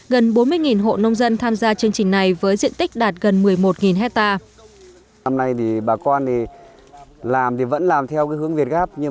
gần bốn mươi hộ nông dân tham gia chương trình này với diện tích đạt gần một mươi một hectare